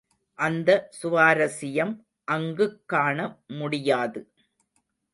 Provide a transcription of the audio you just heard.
அந்த சுவாரசியம் அங்குக் காண முடியாது.